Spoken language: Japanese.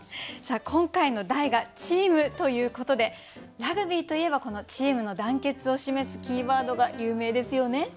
さあ今回の題が「チーム」ということでラグビーといえばこのチームの団結を示すキーワードが有名ですよね？